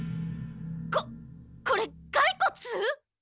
ここれがいこつ？